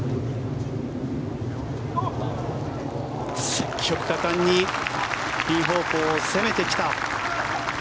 積極果敢にピン方向を攻めてきた。